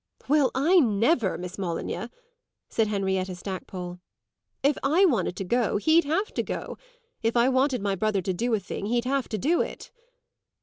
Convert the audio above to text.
"Well, I never, Miss Molyneux!" said Henrietta Stackpole. "If I wanted to go he'd have to go. If I wanted my brother to do a thing he'd have to do it."